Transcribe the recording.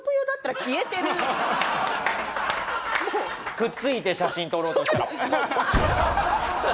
くっついて写真撮ろうとしたら。